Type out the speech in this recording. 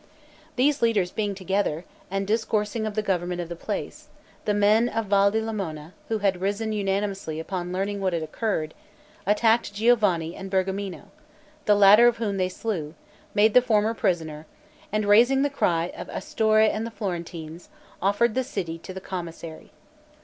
These leaders being together, and discoursing of the government of the place, the men of Val di Lamona, who had risen unanimously upon learning what had occurred, attacked Giovanni and Bergamino, the latter of whom they slew, made the former prisoner, and raising the cry of "Astorre and the Florentines," offered the city to the commissary.